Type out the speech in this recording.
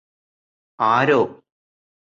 ആരോ